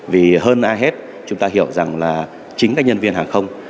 vì hơn ai hết chúng ta hiểu rằng là chính các nhân viên hàng không